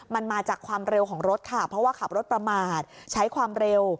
มันมาจากความเร็วของรถค่ะเพราะว่าขับรถประมาทใช้ความเร็ว